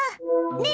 ね